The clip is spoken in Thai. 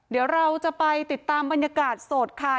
เดี๋ยวเราจะไปติดตามบรรยากาศสดค่ะ